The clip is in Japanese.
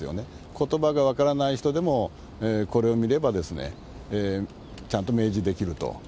ことばが分からない人でも、これを見ればちゃんと明示できると。